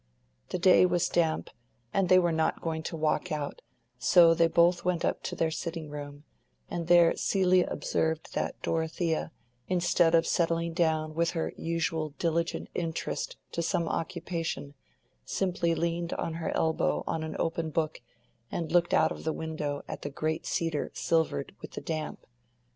The day was damp, and they were not going to walk out, so they both went up to their sitting room; and there Celia observed that Dorothea, instead of settling down with her usual diligent interest to some occupation, simply leaned her elbow on an open book and looked out of the window at the great cedar silvered with the damp.